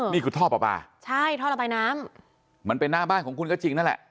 นี่คือท่อปลาปลาใช่ท่อระบายน้ำมันเป็นหน้าบ้านของคุณก็จริงนั่นแหละ